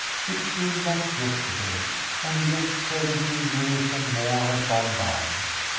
It seemed like yesterday, and yet seventeen years and more had gone by.